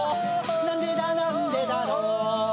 「なんでだなんでだろう」